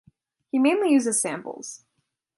He mainly uses samples.